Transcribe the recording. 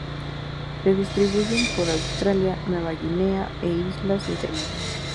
Se distribuyen por Australia, Nueva Guinea e islas intermedias.